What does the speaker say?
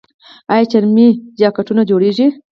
آیا چرمي جاکټونه جوړیږي؟